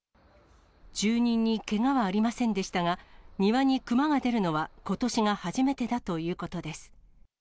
住人にけがはありませんでしたが、庭にクマが出るのはことしが初めてだということです。